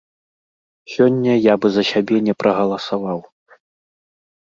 Сёння я бы за сябе не прагаласаваў.